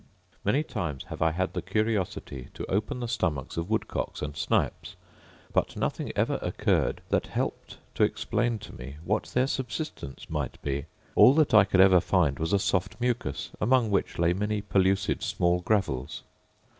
Many times have I had the curiosity to open the stomachs of woodcocks and snipes; but nothing ever occurred that helped to explain to me what their subsistence might be: all that I could ever find was a soft mucus, among which lay many pellucid small gravels.